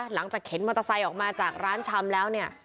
เข็นมอเตอร์ไซค์ออกมาจากร้านชำแล้วเนี่ย